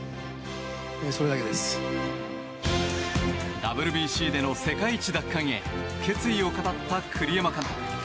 ＷＢＣでの世界一奪還へ決意を語った栗山監督。